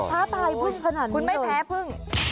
รอคุณพ้าตายผึงขนาดนี้หรอคุณไม่พ้นผึงอยากโดนปุ๊กจ่อน